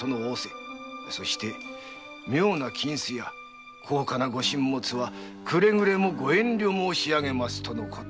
妙な金子や高価なご進物はくれぐれもご遠慮申し上げますとのこと。